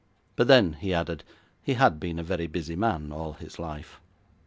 But then, he added, he had been a very busy man all his life.